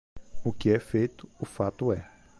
O que é feito, o fato é.